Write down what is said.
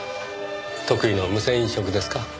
得意の無銭飲食ですか？